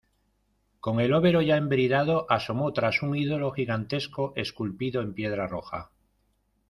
con el overo ya embridado asomó tras un ídolo gigantesco esculpido en piedra roja.